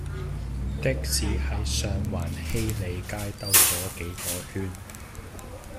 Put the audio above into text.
的士喺上環禧利街兜左幾個圈